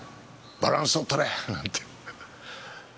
バランスを取れ！なんて。